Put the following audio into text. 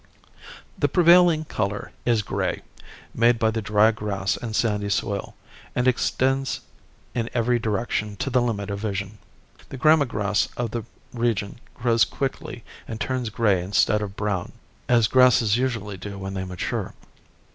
The prevailing color is gray, made by the dry grass and sandy soil, and extends in every direction to the limit of vision. The gramma grass of the and region grows quickly and turns gray instead of brown, as grasses usually do when they mature.